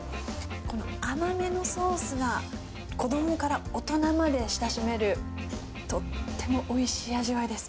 この甘めのソースが、子どもから大人まで親しめる、とってもおいしい味わいです。